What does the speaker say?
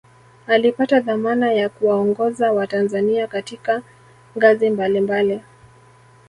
alipata dhamana ya kuwaongoza watanzania katika ngazi mbali mbali